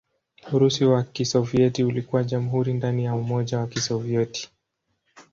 Urusi wa Kisovyeti ulikuwa jamhuri ndani ya Umoja wa Kisovyeti.